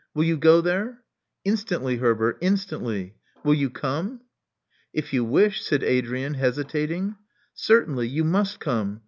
'*Will you go there?" Instantly, Herbert, instantly. Will you come?" *'If you wish," said Adrian, hesitating. Certainly. You must come.